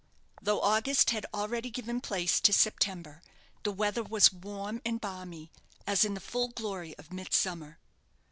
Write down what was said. Though August had already given place to September, the weather was warm and balmy, as in the full glory of midsummer.